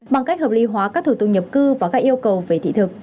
bằng cách hợp lý hóa các thủ tục nhập cư và các yêu cầu về thị thực